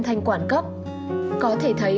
thanh quản cấp có thể thấy